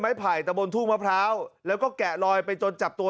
ไม้ผล่แต่บนถูกมะพร้าวแล้วก็แกะรอยไปจนจับตัว